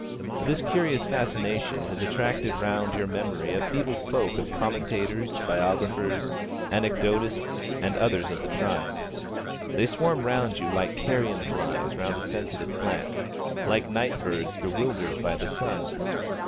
This curious fascination has attracted round your memory a feeble folk of commentators, biographers, anecdotists, and others of the tribe. They swarm round you like carrion flies round a sensitive plant, like night birds bewildered by the sun.